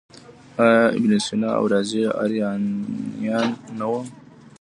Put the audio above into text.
آیا ابن سینا او رازي ایرانیان نه وو؟